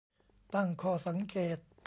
ตั้งข้อสังเกต